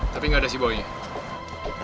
tapi ga ada si boy nya